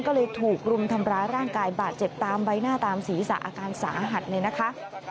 ก็เลยถูกรุมทำร้ายร่างกายบาดเจ็บตามใบหน้าตามศีรษะอาการสาหัสเลยนะคะ